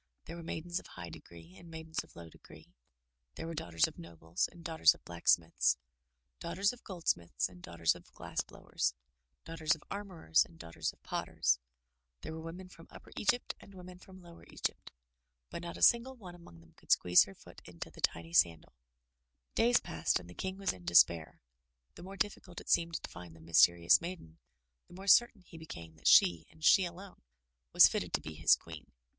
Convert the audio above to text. There were maidens of high degree and maidens of low degree, there were daughters of nobles and daughters of blacksmiths, daughters of goldsmiths and daughters of glass blowers, daughters of armorers and daughters of potters, there were women from Upper Egypt and women from Lower Egypt, but not a single one among them could squeeze her foot into the tiny sandal. 264 THROUGH FAIRY HALLS Days passed and the King was in despair. The more dif ficult it seemed to find the mysterious maiden, the more certain he became that she, and she alone, was fitted to be his Queen.